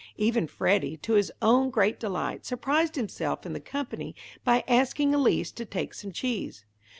Even Freddy, to his own great delight, surprised himself and the company by asking Elise to take some cheese.